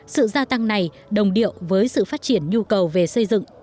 sự gia tăng này đồng điệu với sự phát triển nhu cầu về xây dựng